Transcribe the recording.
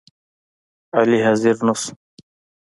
علي حاضر نشو